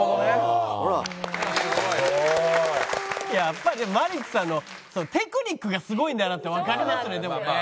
やっぱりでもマリックさんのテクニックがすごいんだなってわかりますねでもね。